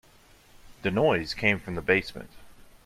The noise came from the basement.